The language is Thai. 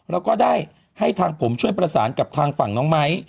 แล้วก็ได้ให้ทางผมช่วยประสานกับทางฝั่งน้องไม้